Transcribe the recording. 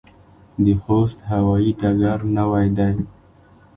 د خوست هوايي ډګر نوی دی